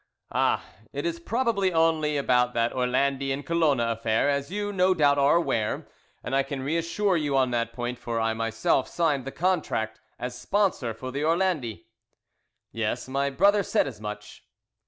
"Ah, it is probably only about that Orlandi and Colona affair, as you, no doubt, are aware, and I can re assure you on that point, for I myself signed the contract as sponsor for this Orlandi." "Yes, my brother said as much."